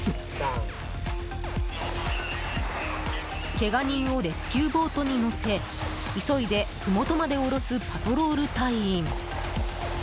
けが人をレスキューボートに乗せ急いでふもとまで下ろすパトロール隊員。